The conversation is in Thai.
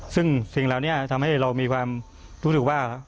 ซึ่งสิ่งเหล่านี้ทำให้เรามีความรู้สึกว่า